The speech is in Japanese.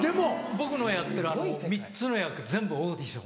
僕のやってる３つの役全部オーディション。